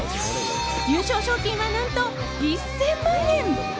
優勝賞金は何と１０００万円。